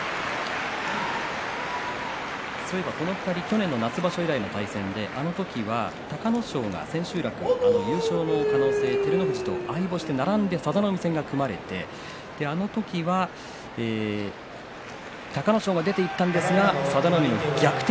そういえばこの２人は去年の夏場所以来の対戦で、あの時は隆の勝が千秋楽優勝の可能性照ノ富士と相星で並んで佐田の海戦が組まれてあの時は隆の勝が出ていったんですが佐田の海が逆転